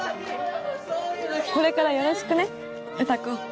これからよろしくね詩子。